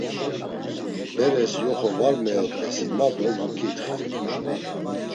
Beres yoxo var meyodvesi ma do vuǩitxi.